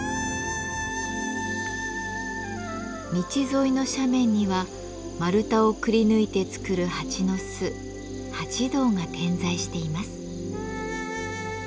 道沿いの斜面には丸太をくりぬいて作る蜂の巣「蜂洞」が点在しています。